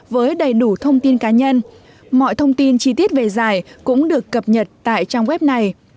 với đầy đủ thông tin cá nhân mọi thông tin chi tiết về giải cũng được cập nhật tại trang web này